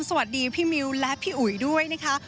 สวัสดีพี่มิวและพี่อุ๋ยด้วยนะคะ